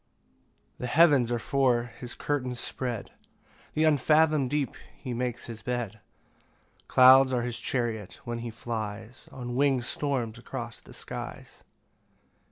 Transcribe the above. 2 The heavens are for his curtains spread, Th' unfathom'd deep he makes his bed; Clouds are his chariot, when he flies On winged storms across the skies.